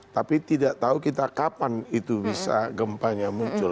tapi tidak tahu kita kapan itu bisa gempanya muncul